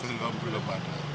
belum belum ada